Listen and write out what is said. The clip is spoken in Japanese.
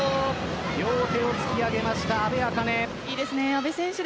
両手を突き上げました阿部明音。